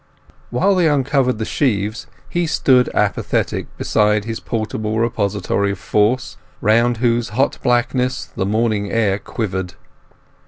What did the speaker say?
While they uncovered the sheaves he stood apathetic beside his portable repository of force, round whose hot blackness the morning air quivered.